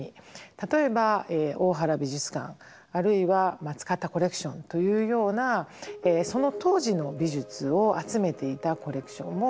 例えば大原美術館あるいは松方コレクションというようなその当時の美術を集めていたコレクションもありました。